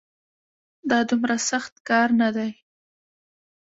دا دومره سخت کار نه دی